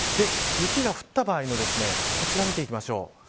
雪が降った場合のこちら、見ていきましょう。